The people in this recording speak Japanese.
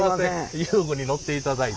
遊具に乗っていただいて。